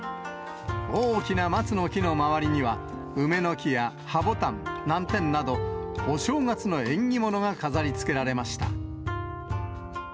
大きな松の木の周りには、梅の木や葉ぼたん、南天など、お正月の縁起物が飾りつけられました。